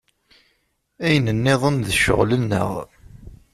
Ayen nniḍen d ccɣel-nneɣ.